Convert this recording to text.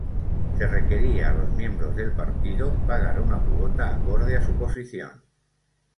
Se requería a los miembros del partido pagar una cuota acorde a su posición.